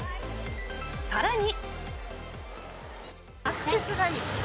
さらに。